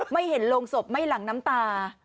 ไม่เห็นโรงศพไม่หลั่งน้ำตา